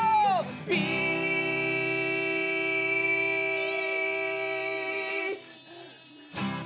ピース！